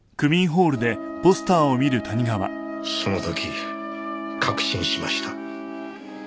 その時確信しました。